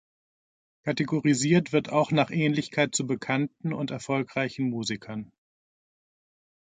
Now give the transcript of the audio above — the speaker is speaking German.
Kategorisiert wird auch nach Ähnlichkeit zu bekannten und erfolgreichen Musikern.